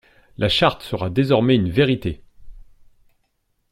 La Charte sera désormais une vérité!